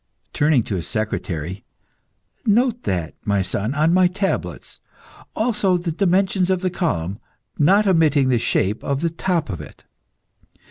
Turning to his secretary "Note that, my son, on my tablets; also the dimensions of the column, not omitting the shape of the top of it."